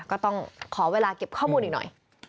ก็ต้องขอเวลาเก็บข้อมูลอีกหน่อย